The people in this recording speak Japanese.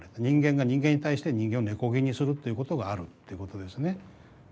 人間が人間に対して人間を「根こぎ」にするっていうことがあるってことですね。